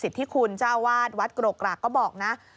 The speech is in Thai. สิรษฐิคุณเจ้าวาดวัดกรกรักก็บอกนะ